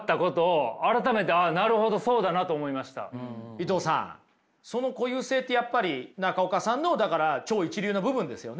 伊藤さんその固有性ってやっぱり中岡さんのだから超一流な部分ですよね。